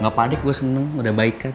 gapapa adik gua seneng udah baik kan